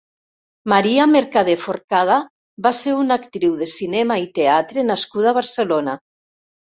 Maria Mercader Forcada va ser una actriu de cinema i teatre nascuda a Barcelona.